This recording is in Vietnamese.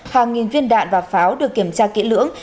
hàng nghìn viên đạn và pháo được kiểm tra kỹ lưỡng